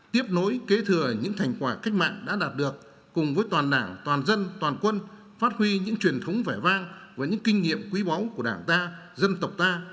tiếp nối kế thừa những thành quả cách mạng đã đạt được cùng với toàn đảng toàn dân toàn quân phát huy những truyền thống vẻ vang và những kinh nghiệm quý báu của đảng ta dân tộc ta